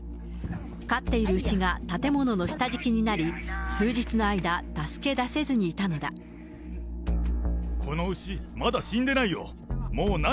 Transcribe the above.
飼っている牛が建物の下敷きになり、数日の間、助け出せずにいたこの牛、まだ死んでないよ。